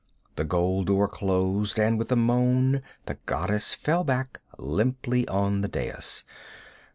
The gold door closed and with a moan, the goddess fell back limply on the dais.